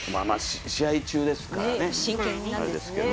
試合中ですからね。